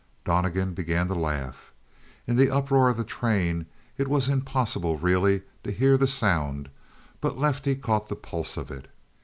Donnegan began to laugh. In the uproar of the train it was impossible really to hear the sound, but Lefty caught the pulse of it.